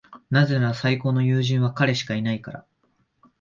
なぜなら、最高の友人は彼しかいないから。